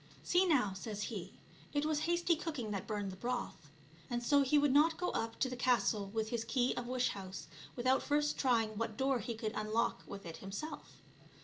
" See now." says he, " it was hasty cooking that burned the broth ;" and so he would not go up to the castle with his key of wish house without first trying what door he could unlock with it himself.